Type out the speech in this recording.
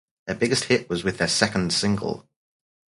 Their biggest hit was with their second single.